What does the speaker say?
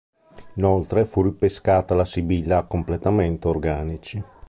Inoltre, fu ripescata la Sibilla a completamento organici.